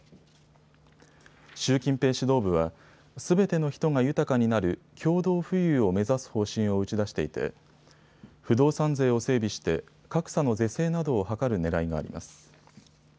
習近平指導部はすべての人が豊かになる共同富裕を目指す方針を打ち出していて不動産税を整備して格差の是正などを図るねらいがあります。